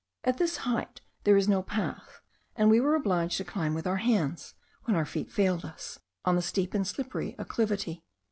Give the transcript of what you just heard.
At this height there is no path, and we were obliged to climb with our hands, when our feet failed us, on the steep and slippery acclivity.